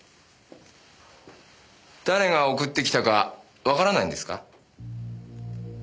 誰が送ってきたかわからないんですか？